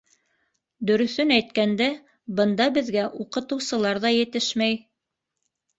Дөрөҫөн әйткәндә, бында беҙгә уҡытыусылар ҙа етешмәй...